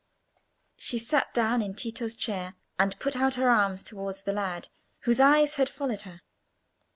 She sat down in Tito's chair, and put out her arms towards the lad, whose eyes had followed her.